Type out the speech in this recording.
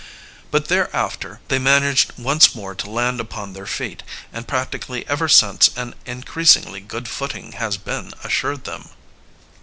But thereafter they managed once more to land upon their feet, and practically ever since an increasingly good footing has been assured them.